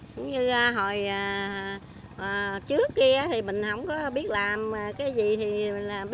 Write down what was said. cũng như hồi trước kia